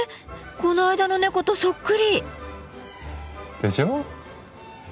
この間の猫とそっくり！でしょう？